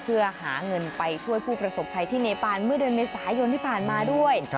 เพื่อหาเงินไปช่วยผู้ประสบภัยที่เนปานเมื่อเดือนเมษายนที่ผ่านมาด้วย